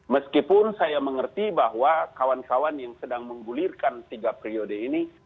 meskipun saya mengerti bahwa kawan kawan yang sedang menggulirkan tiga periode ini